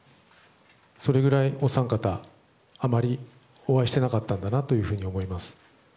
それぐらいお三方お会いしてなかったんだなと思います。